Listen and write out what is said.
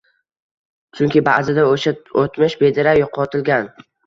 Chunki ba’zida o‘sha o‘tmish bedarak yo‘qotilgan